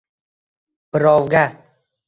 birovga.